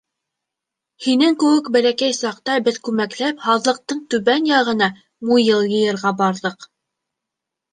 Һинең кеүек бәләкәй саҡта беҙ күмәкләп һаҙлыҡтың түбән яғына муйыл йыйырға барҙыҡ.